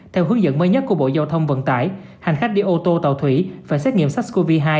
theo hướng dẫn mới nhất của bộ giao thông vận tải hành khách đi ô tô tàu thủy phải xét nghiệm sars cov hai